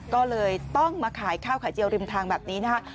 ก็เลยต้องมาขายข้าวไข่เจียวริมทางแบบนี้นะคะ